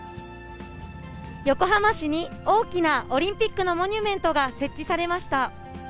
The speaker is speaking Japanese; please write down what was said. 横浜市に大きなオリンピックのモニュメントが設置されました。